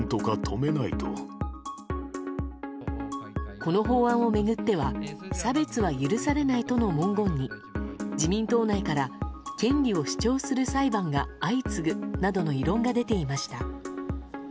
この法案を巡っては差別は許されないとの文言に自民党内から、権利を主張する裁判が相次ぐなどの異論が出ていました。